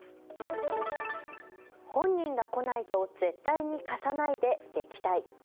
本人が来ないと絶対に貸さないで撃退。